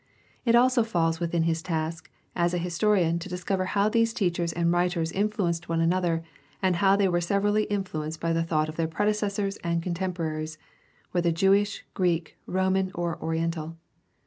It also falls within his task as a historian to discover how these teachers and writers influenced one another and how they were severally influenced by the thought of their predecessors and contemporaries, whether Jewish, Greek, Roman, or oriental.